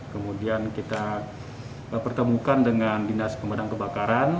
kemudian kita pertemukan dengan dinas pemadam kebakaran